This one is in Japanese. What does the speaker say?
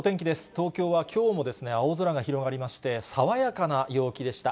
東京はきょうも青空が広がりまして、爽やかな陽気でした。